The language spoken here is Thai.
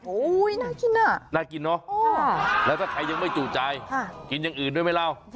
โอ้โหน่ากินอ่ะน่ากินเนอะแล้วถ้าใครยังไม่จู่ใจกินอย่างอื่นด้วยไหมเรา